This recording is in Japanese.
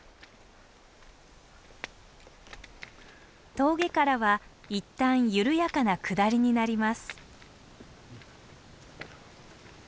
峠からはいったん緩やかな下りになります。